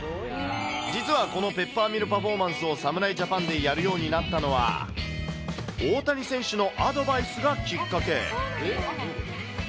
実はこのペッパーミルパフォーマンスを侍ジャパンでやるようになったのは、大谷選手のアドバイスがきっかけ。